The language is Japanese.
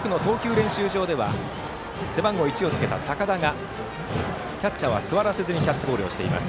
練習場では背番号１をつけた高田がキャッチャーは座らせずにキャッチボールをしています。